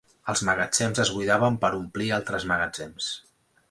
Els magatzems es buidaven per omplir altres magatzems